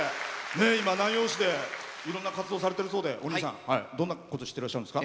今、南陽市でいろんな活動されてるそうでお兄さん、どんなことをしてらっしゃるんですか？